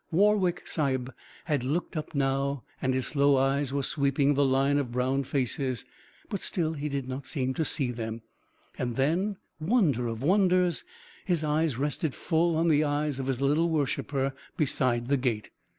Warwick Sahib had looked up now, and his slow eyes were sweeping the line of brown faces. But still he did not seem to see them. And then wonder of wonders his eyes rested full on the eyes of his little worshipper beside the gate.